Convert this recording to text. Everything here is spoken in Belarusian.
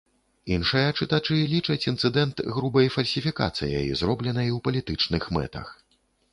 Іншыя чытачы лічаць інцыдэнт грубай фальсіфікацыяй, зробленай у палітычных мэтах.